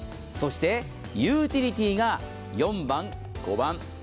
そしてユーティリティが４番５番。